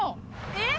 えっ？